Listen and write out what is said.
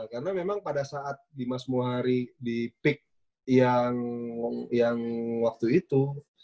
karena memang pada saat dimas muhari di peak yang waktu itu